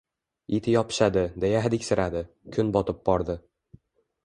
It yopishadi, deya hadiksiradi. Kun botib bordi.